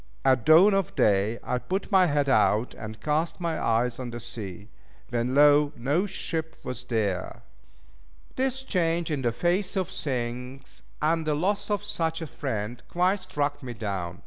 At dawn of day I put my head out, and cast my eyes on the sea. When lo! no ship was there! This change in the face of things, and the loss of such a friend, quite struck me down.